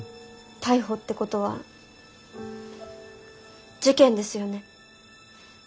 逮捕ってことは事件ですよね？